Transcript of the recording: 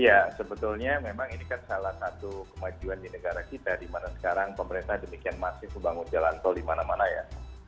ya sebetulnya memang ini kan salah satu kemajuan di negara kita di mana sekarang pemerintah demikian masif membangun jalan tol di mana mana ya